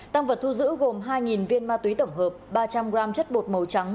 tăng vật thu giữ gồm hai viên ma túy tổng hợp ba trăm linh g chất bột màu trắng